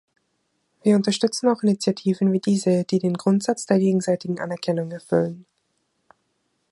Wir unterstützen auch Initiativen wie diese, die den Grundsatz der gegenseitigen Anerkennung erfüllen.